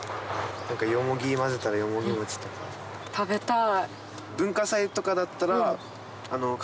食べたい。